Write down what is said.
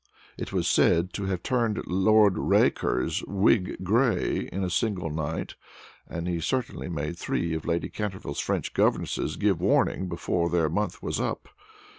It was said to have turned Lord Raker's wig gray in a single night, and had certainly made three of Lady Canterville's French governesses give warning before their month was up.